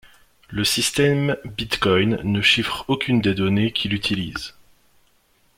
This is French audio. Le système Bitcoin ne chiffre aucune des données qu'il utilise.